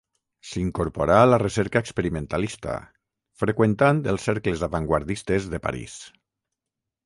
S'incorporà a la recerca experimentalista, freqüentant els cercles avantguardistes de París.